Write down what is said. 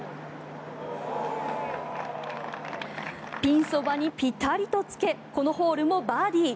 ピンそばにピタリとつけこのホールもバーディー。